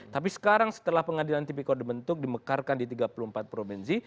tapi sekarang setelah pengadilan tipikor dibentuk dimekarkan di tiga puluh empat provinsi